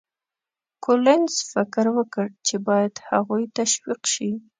کولینز فکر وکړ چې باید هغوی تشویق شي.